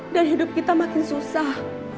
hidup kita makin susah